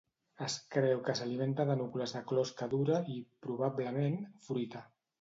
Es creu que s'alimenta de núcules de closca dura i, probablement, fruita.